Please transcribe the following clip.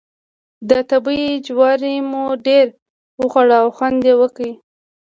د تبۍ جواری مو ډېر وخوړ او خوند یې وکړ.